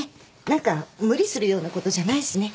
何か無理するようなことじゃないしね。